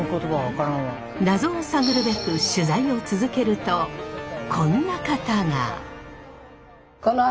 謎を探るべく取材を続けるとこんな方が。